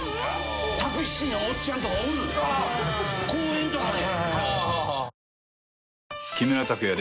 公園とかで。